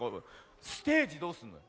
ステージどうすんの？